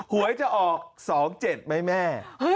หวยจะออก๒๗ไหมแม่